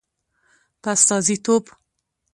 په استازیتوب